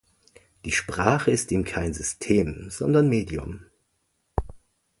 Die Sprache ist ihm kein System, sondern Medium.